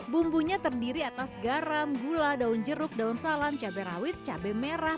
bumbunya terdiri atas garam gula daun jeruk daun salam cabai rawit cabai merah